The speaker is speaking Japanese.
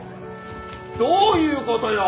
どういうことよ？